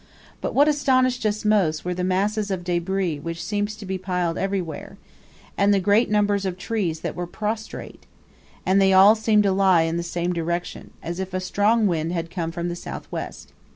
But what astonished us most were the masses of debris which seemed to be piled everywhere, and the great numbers of trees that were prostrate; and they all seemed to lie in the same direction, as if a strong wind had come from the south west.